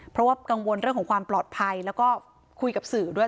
เพราะว่ากังวลเรื่องของความปลอดภัยแล้วก็คุยกับสื่อด้วย